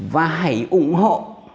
và hãy ủng hộ